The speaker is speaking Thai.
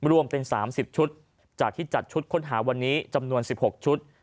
รวมเป็น๓๐ชุดจากที่จัดชุดค้นหาวันนี้จำนวน๑๖ชุด